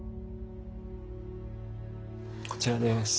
こちらです。